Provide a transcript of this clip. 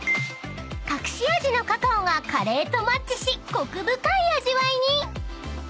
［隠し味のカカオがカレーとマッチしコク深い味わいに］